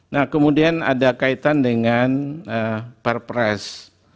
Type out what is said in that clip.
nah kemudian ada kaitan dengan perpres